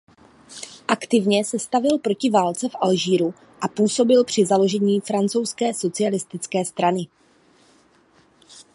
Aktivně se stavěl proti válce v Alžíru a působil při založení francouzské socialistické strany.